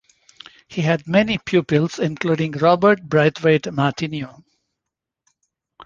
He had many pupils including Robert Braithwaite Martineau.